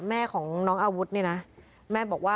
แม่ของน้องอาวุธนี่นะ